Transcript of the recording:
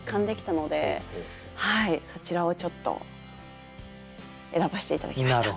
そちらをちょっと選ばせて頂きました。